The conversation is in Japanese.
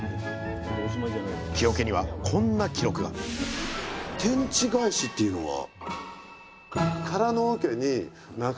木おけにはこんな記録が「天地返し」っていうのは？